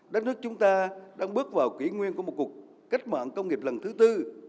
đất nước chúng ta đang bước vào kỷ nguyên của một cuộc cách mạng công nghiệp lần thứ tư